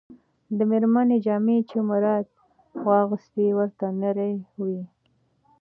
د مېرمنې جامې چې مراد واغوستې، ورته نرۍ وې.